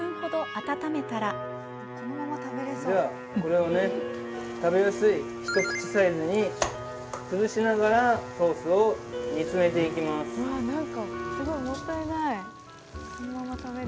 じゃあこれをね食べやすい一口サイズに崩しながらソースを煮詰めていきます。